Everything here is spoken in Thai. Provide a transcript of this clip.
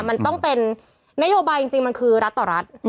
มันต้องเป็นนโยบายจริงมันคือรัฐต่อรัฐ